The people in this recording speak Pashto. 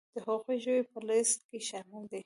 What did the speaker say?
د هغو ژویو په لیست کې شامل کړي